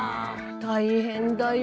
大変だよ